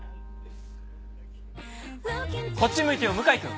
『こっち向いてよ向井くん』。